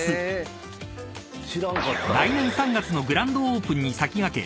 ［来年３月のグランドオープンに先駆け］